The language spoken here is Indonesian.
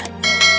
apa yang terjadi